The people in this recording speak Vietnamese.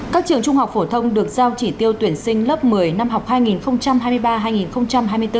các trường trung học phổ thông được giao chỉ tiêu tuyển sinh lớp một mươi năm học hai nghìn hai mươi ba hai nghìn hai mươi bốn